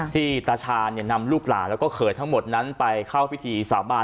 ที่ตัชาญ์นำลูกหลานลูกเผยทั้งหมดไปเข้าพิธีสแบบบ้าน